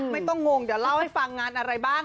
งงเดี๋ยวเล่าให้ฟังงานอะไรบ้าง